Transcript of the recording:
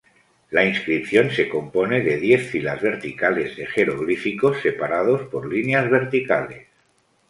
La inscripción se compone de diez filas verticales de jeroglíficos, separados por líneas verticales.